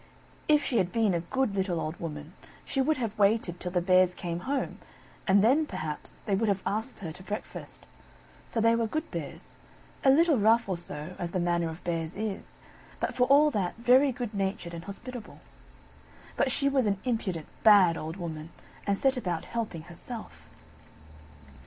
If she had been a good little old Woman, she would have waited till the Bears came home, and then, perhaps, they would have asked her to breakfast; for they were good Bears a little rough or so, as the manner of Bears is, but for all that very good natured and hospitable. But she was an impudent, bad old Woman, and set about helping herself.